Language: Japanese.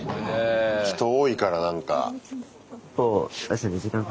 人多いからなんか。